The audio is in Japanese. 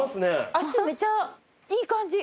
脚めっちゃいい感じ。